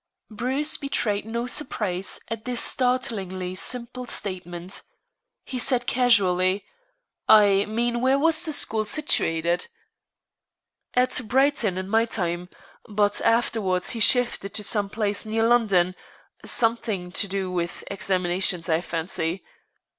Bruce betrayed no surprise at this startlingly simple statement. He said casually: "I mean where was the school situated?" "At Brighton in my time. But afterwards he shifted to some place near London something to do with examinations, I fancy."